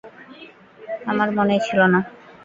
আমার মনেই ছিল না।